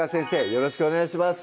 よろしくお願いします